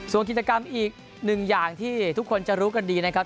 ส่วนกิจกรรมอีกหนึ่งอย่างที่ทุกคนจะรู้กันดีนะครับ